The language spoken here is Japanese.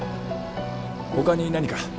他に何か？